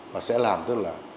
và sẽ làm tức là